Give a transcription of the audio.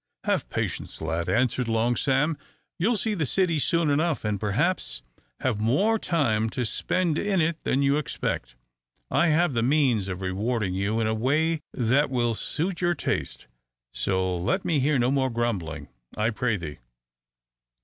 "Have patience, lad!" answered Long Sam; "you will see the city soon enough, and perhaps have more time to spend in it than you expect I have the means of rewarding you in a way that will suit your taste. So let me hear no more grumbling, I pray thee!"